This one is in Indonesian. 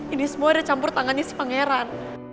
ini semua udah campur tangannya si pangeran